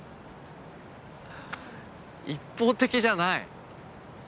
一方的じゃない。